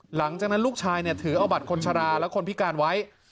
หลังจากนั้นลูกชายถือเอาบัตรคนชะลาและคนพิการไว้